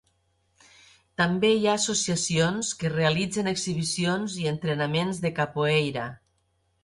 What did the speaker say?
També hi ha associacions que realitzen exhibicions i entrenaments de capoeira.